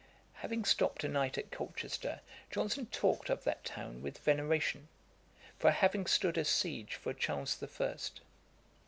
Ætat 54.] Having stopped a night at Colchester, Johnson talked of that town with veneration, for having stood a siege for Charles the First.